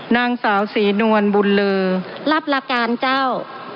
๔๙๙นางสาวสนวลบุลลือรับราการเจ้า